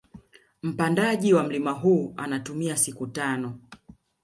Mpandaji wa mlima huu anatumia siku tano